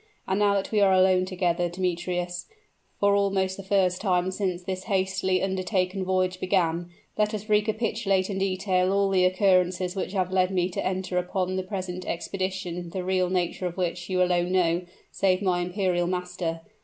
And now that we are alone together, Demetrius, for almost the first time since this hastily undertaken voyage began, let us recapitulate in detail all the occurrences which have led me to enter upon the present expedition the real nature of which you alone know, save my imperial master.